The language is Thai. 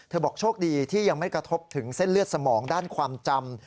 บอกโชคดีที่ยังไม่กระทบถึงเส้นเลือดสมองด้านความจำ